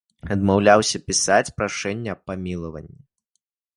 Адмаўляўся пісаць прашэнне аб памілаванні.